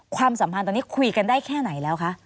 ความสัมพันธ์ตอนนี้คุยกันได้แค่ไหนแล้วคะ